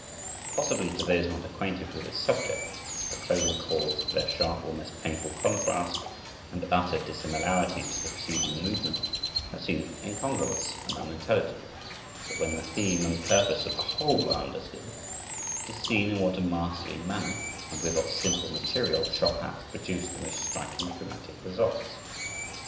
Possibly, to those not acquainted with its subject, the closing chords, with their sharp, almost painful contrast, and utter dissimilarity to the preceding movement, have seemed incongruous and unintelligible; but, when the theme and purpose of the whole are understood, it is seen in what a masterly manner, and with what simple material, Chopin has produced the most striking dramatic results.